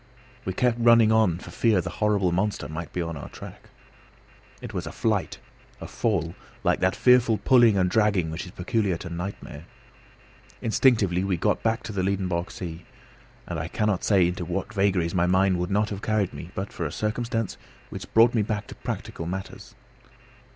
We kept running on for fear the horrible monster might be on our track. It was a flight, a fall, like that fearful pulling and dragging which is peculiar to nightmare. Instinctively we got back to the Liedenbrock sea, and I cannot say into what vagaries my mind would not have carried me but for a circumstance which brought me back to practical matters.